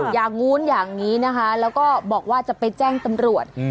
อย่างนู้นอย่างนี้นะคะแล้วก็บอกว่าจะไปแจ้งตำรวจ